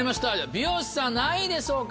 美容師さんは何位でしょうか？